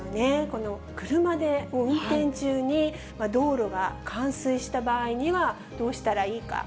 この車で運転中に道路が冠水した場合には、どうしたらいいか。